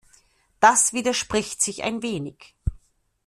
Das widerspricht sich ein wenig.